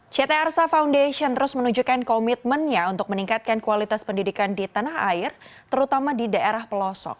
ct arsa foundation terus menunjukkan komitmennya untuk meningkatkan kualitas pendidikan di tanah air terutama di daerah pelosok